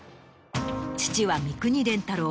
父は三國連太郎